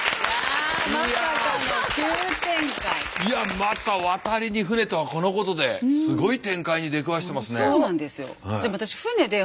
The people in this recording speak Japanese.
いやまた「渡りに船」とはこのことですごい展開に出くわしてますね。